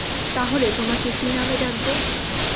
তাহলে তোমাকে কী নামে ডাকবো?